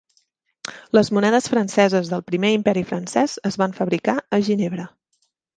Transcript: Les monedes franceses del Primer Imperi Francès es van fabricar a Ginebra.